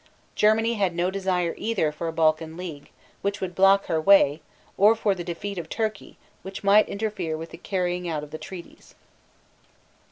Germany had no desire either for a Balkan league, which would block her way, or for the defeat of Turkey, which might interfere with the carrying out of the treaties.